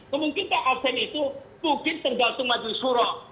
kemungkinan abstain itu mungkin tergantung maju suruh